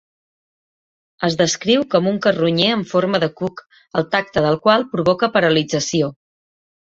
Es descriu com un carronyer en forma de cuc el tacte del qual provoca paralització.